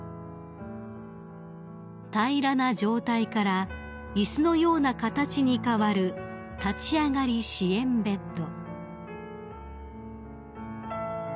［平らな状態から椅子のような形に変わる立ち上がり支援ベッド］